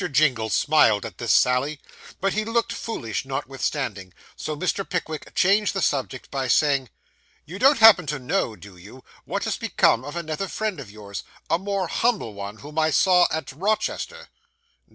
Jingle smiled at this sally, but looked rather foolish notwithstanding; so Mr. Pickwick changed the subject by saying 'You don't happen to know, do you, what has become of another friend of yours a more humble one, whom I saw at Rochester?